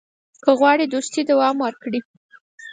که غواړې دوستي دوام وکړي.